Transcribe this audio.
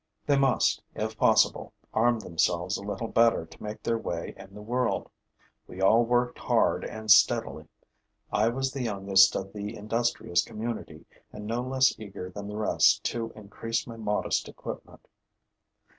They must, if possible, arm themselves a little better to make their way in the world. We all worked hard and steadily. I was the youngest of the industrious community and no less eager than the rest to increase my modest equipment.